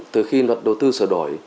từ khi đoạt đầu tư sở đổi